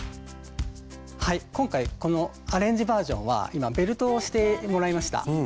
はい今回このアレンジバージョンは今ベルトをしてもらいました。